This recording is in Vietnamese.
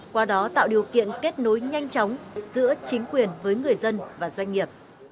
qua đó tạo điều kiện kết nối nhanh chóng giữa chính quyền với người dân và doanh nghiệp